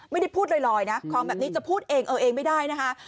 ไม่ได้พูดลอยนะของแบบนี้จะพูดเองเออเองไม่ได้นะคะ